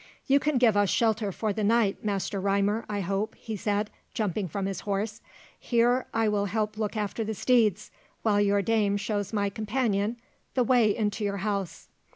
"You can give us shelter for the night, Master Rymer, I hope," he said, jumping from his horse. "Here, I will help look after the steeds, while your dame shows my companion the way into your house."